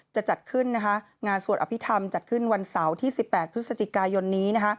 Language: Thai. จะจัดขึ้นงานสวดอภิษฐรรมจัดขึ้นวันเสาร์ที่๑๘พฤศจิกายนนี้